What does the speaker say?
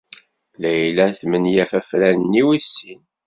Layla tesmenyaf afran-nni wis sin.